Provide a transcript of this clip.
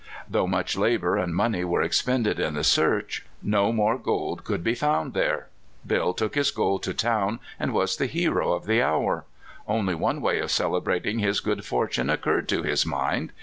Though much labor and money were expended in the search, no more gold could be found there. Bill took his gold to town, and was the hero of the hour. But one way of celebrating his good fortune occurred to his mind.